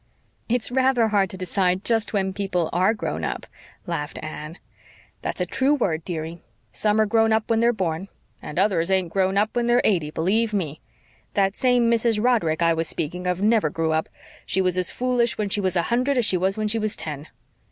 "It's rather hard to decide just when people ARE grown up," laughed Anne. "That's a true word, dearie. Some are grown up when they're born, and others ain't grown up when they're eighty, believe ME. That same Mrs. Roderick I was speaking of never grew up. She was as foolish when she was a hundred as when she was ten."